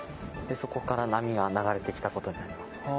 そこから波が流れて来たことになります。